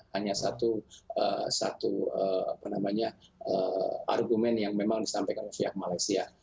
hanya satu argumen yang memang disampaikan oleh pihak malaysia